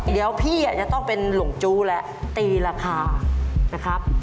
เดี๋ยวพี่จะต้องเป็นหลงจู้และตีราคานะครับ